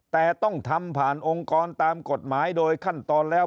แต่ต้องทำผ่านองค์กรตามกฎหมายโดยขั้นตอนแล้ว